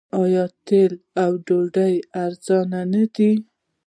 آیا تیل او ډوډۍ ارزانه نه دي؟